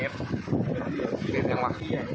เว็บยังวะ